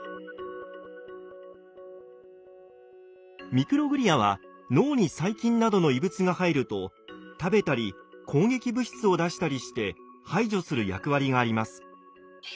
ミクログリアは脳に細菌などの異物が入ると食べたり攻撃物質を出したりして排除する役割があります。